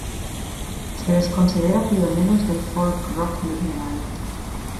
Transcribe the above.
Se les considera pioneros del folk-rock medieval.